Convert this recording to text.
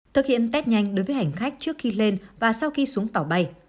thực hiện test nhanh đối với hành khách trước khi lên và sau khi xuống tàu bay